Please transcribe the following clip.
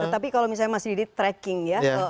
tapi kalau misalnya mas didi tracking ya